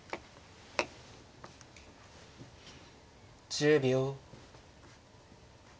１０秒。